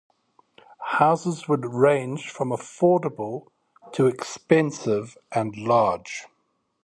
Houses would range from affordable to expensive and large.